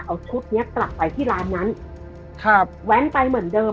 เอาชุดเนี้ยกลับไปที่ร้านนั้นครับแว้นไปเหมือนเดิม